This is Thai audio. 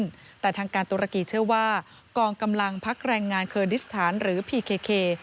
แต่ทางการตุรกีเชื่อว่ากองกำลังพักแรงงานเคอร์ดิสถานหรือพีเค